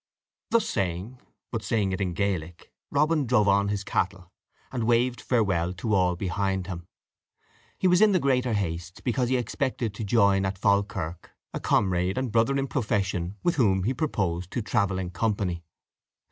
Thus saying, but saying it in Gaelic, Robin drove on his cattle, and waved farewell to all behind him. He was in the greater haste, because he expected to join at Falkirk a comrade and brother in profession, with whom he proposed to travel in company.